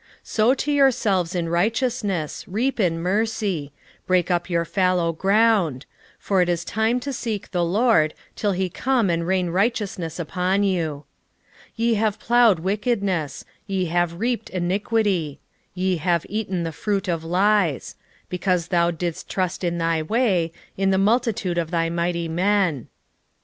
10:12 Sow to yourselves in righteousness, reap in mercy; break up your fallow ground: for it is time to seek the LORD, till he come and rain righteousness upon you. 10:13 Ye have plowed wickedness, ye have reaped iniquity; ye have eaten the fruit of lies: because thou didst trust in thy way, in the multitude of thy mighty men.